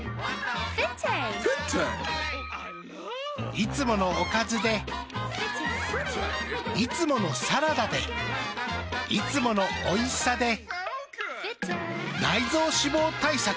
いつものおかずでいつものサラダでいつものおいしさで内臓脂肪対策。